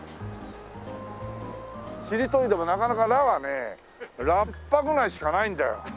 しりとりでもなかなかラはねラッパぐらいしかないんだよ。